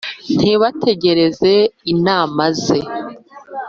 Ntibategereza inama ze